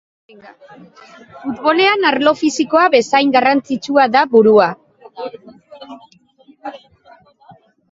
Futbolean arlo fisikoa bezain garrantzitsua da burua.